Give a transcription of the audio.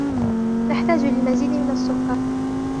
نحتاج للمزيد من السكر.